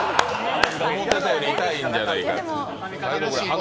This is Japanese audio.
思ってたより痛いんじゃないか。